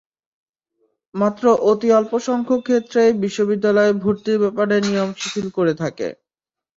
মাত্র অতি অল্পসংখ্যক ক্ষেত্রেই বিশ্ববিদ্যালয় ভর্তির ব্যাপারে নিয়ম শিথিল করে থাকে।